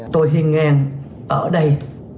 tôi huyên ngang ở đây